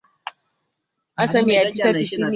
kwa upande wake jeshi la kujihami ya nchi za magharibi neto